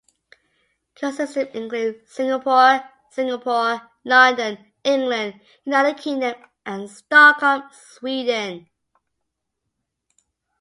Current systems include Singapore, Singapore; London, England, United Kingdom; and Stockholm, Sweden.